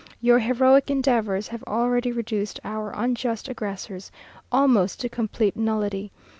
Your heroic endeavours have already reduced our unjust aggressors almost to complete nullity.